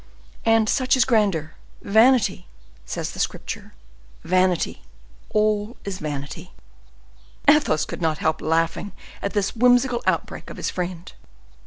And such is grandeur! 'Vanity!' says the Scripture: vanity, all is vanity.'" Athos could not help laughing at this whimsical outbreak of his friend.